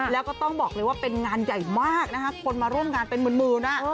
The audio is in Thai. แล้วก็ต้องบอกเลยว่าเป็นงานใหญ่มากนะคะคนมาร่วมงานเป็นหมื่น